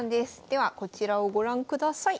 ではこちらをご覧ください。